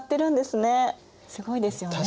すごいですよね。